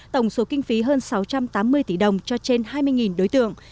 tổng số kinh phí hơn sáu trăm tám mươi tỷ đồng cho trên hai mươi đối tượng